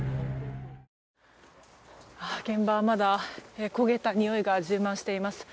現場はまだ焦げたにおいが充満しています。